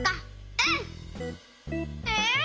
うん！えっ？